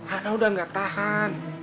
ana udah gak tahan